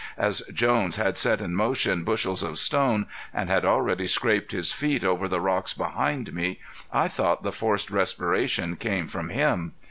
As Jones had set in motion bushels of stone and had already scraped his feet over the rocks behind me I thought the forced respiration came from him.